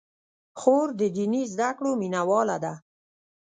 خور د دیني زدکړو مینه واله ده.